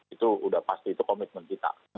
itu udah pasti itu komitmen kita